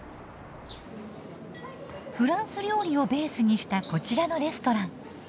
フランス料理をベースにしたこちらのレストラン。